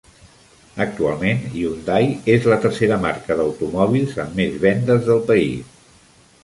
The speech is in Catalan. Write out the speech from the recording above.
Actualment, Hyundai és la tercera marca d'automòbils amb més vendes del país.